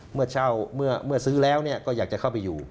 เมื่อเช่าเมื่อซื้อแล้วก็อยากจะเข้าไปอยู่